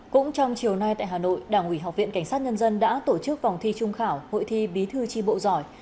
cũng trong chiều nay tại hà nội đảng ủy học viện cảnh sát nhân dân đã tổ chức vòng thi trung khảo hội thi bí thư tri bộ giỏi